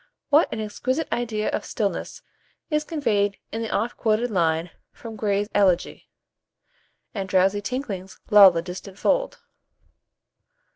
What an exquisite idea of stillness is conveyed in the oft quoted line from Gray's "Elegy:" "And drowsy tinklings lull the distant fold."